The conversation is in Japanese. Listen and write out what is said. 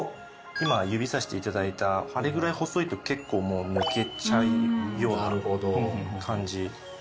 今指さしていただいたあれぐらい細いと結構もう抜けちゃうような感じですかね。